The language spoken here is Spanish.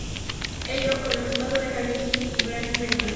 Ello, con el respaldo de Jamie King y Brian Friedman.